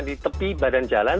di tepi badan jalan